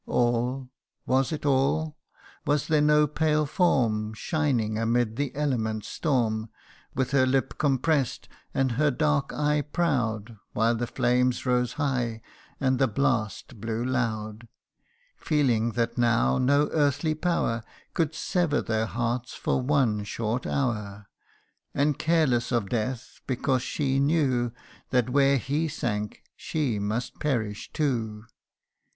AH was it all ? Was there no pale form, Shining amid the element's storm, With her lip compress'd, and her dark eye proud, While the flames rose high, and the blast blew loud ? Feeling that now no earthly power Could sever their hearts for one short hour, 152 THE UNDYING ONE. And careless of death, because she knew That where he sank, she must perish too